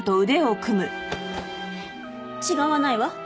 違わないわ。